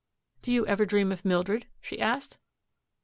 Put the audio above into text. "Do you ever dream of Mildred?" she asked.